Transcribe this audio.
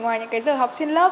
ngoài những giờ học trên lớp